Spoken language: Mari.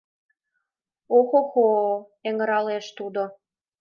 — Охо-хо! — эҥыралеш тудо.